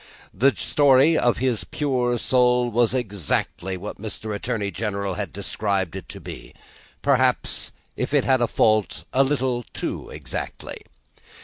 The story of his pure soul was exactly what Mr. Attorney General had described it to be perhaps, if it had a fault, a little too exactly.